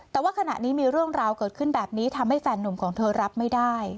แต่ว่าขณะนี้มีเรื่องราวเกิดขึ้นแบบนี้ทำให้แฟนหนุ่มของเธอรับไม่ได้